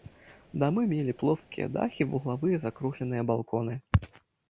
Дамы мелі плоскія дахі, вуглавыя закругленыя балконы.